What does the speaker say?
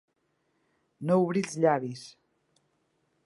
No obrir els llavis.